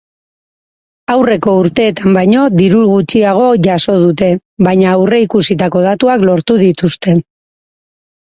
Aurreko urteetan baino diru gutxiago jaso dute, baina aurreikusitako datuak lortu dituzte.